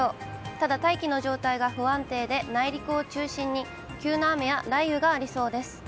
ただ、大気の状態が不安定で、内陸を中心に急な雨や雷雨がありそうです。